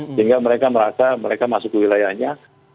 sehingga mereka merasa mereka masuk ke wilayahnya